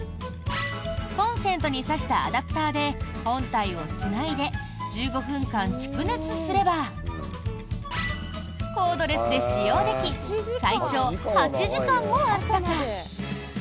コンセントに差したアダプターで本体をつないで１５分間蓄熱すればコードレスで使用でき最長８時間もあったか。